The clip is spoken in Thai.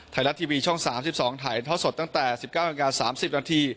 ไทยรัตทีวีช่อง๓๒ถ่ายท้อสดตั้งแต่๑๙๓๐น